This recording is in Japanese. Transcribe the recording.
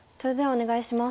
お願いします。